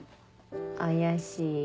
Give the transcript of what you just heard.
怪しい。